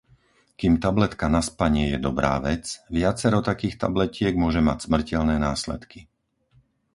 Kým tabletka na spanie je dobrá vec, viacero takých tabletiek môže mať smrteľné následky.